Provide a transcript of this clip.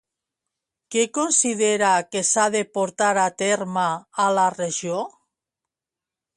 Què considera que s'ha de portar a terme a la regió?